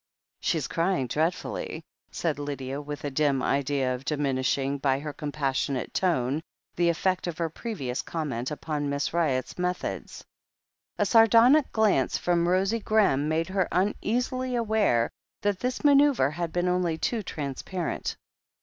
"She's crying dreadfully," said Lydia, with a dim idea of diminishing, by her compassionate tone, the effect of her previous comment upon Miss Ryott's methods. A sardonic glance from Rosie Graham made her un easily aware that this manceuvre had been only too transparent.